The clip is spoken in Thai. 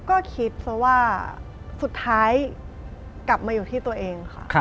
ก็คิดเพราะว่าสุดท้ายกลับมาอยู่ที่ตัวเองค่ะ